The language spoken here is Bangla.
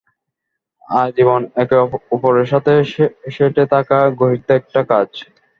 আজীবন একে ওপরের সাথে সেঁটে থাকা গর্হিত একটা কাজ!